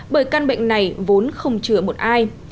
bởi căn bệnh này vốn không chừa một ai